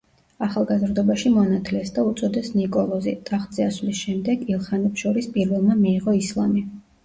ახალგაზრდობაში მონათლეს და უწოდეს ნიკოლოზი, ტახტზე ასვლის შემდეგ, ილხანებს შორის პირველმა მიიღო ისლამი.